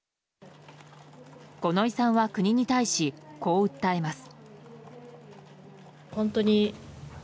五ノ井さんは国に対しこう訴えます。